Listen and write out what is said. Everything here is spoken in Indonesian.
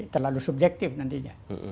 terlalu subjektif nantinya